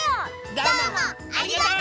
どうもありがとう！